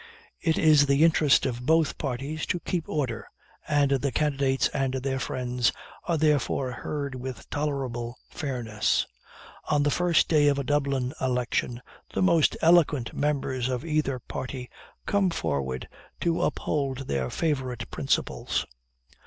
It is the interest of both parties to keep order, and the candidates and their friends are therefore heard with tolerable fairness. On the first day of a Dublin election, the most eloquent members of either party come forward to uphold their favorite principles.